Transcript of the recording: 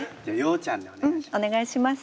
うんお願いします。